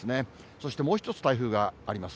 そしてもう１つ台風があります。